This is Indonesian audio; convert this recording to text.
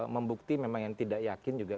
membukti memang yang tidak yakin juga